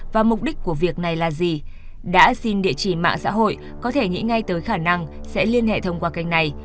và mục đích của việc này là gì đã xin địa chỉ mạng xã hội có thể nghĩ ngay tới khả năng sẽ liên hệ thông qua kênh này